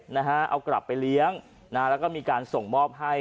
นะฮะเอากลับไปเลี้ยงนะฮะแล้วก็มีการส่งมอบให้